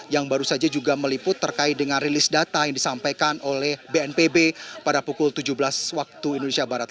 yang baru saja juga meliput terkait dengan rilis data yang disampaikan oleh bnpb pada pukul tujuh belas waktu indonesia barat